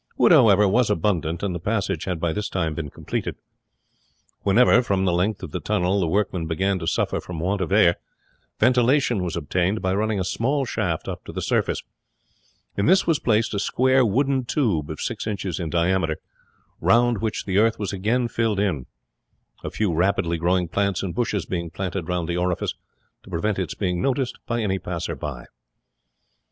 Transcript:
Wood, however, was abundant, and the passage had by this time been completed. Whenever, from the length of the tunnel, the workmen began to suffer from want of air, ventilation was obtained by running a small shaft up to the surface; in this was placed a square wooden tube of six inches in diameter, round which the earth was again filled in a few rapidly growing plants and bushes being planted round the orifice to prevent its being noticed by any passerby.